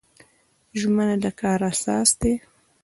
ژمنه د کار اساس دی